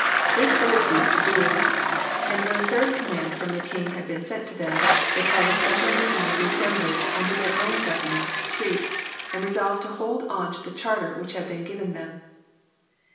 This they refused to do; and when a third command from the king had been sent to them, they called a special meeting of the Assembly, under their own governor, Treat, and resolved to hold on to the charter which had been given them.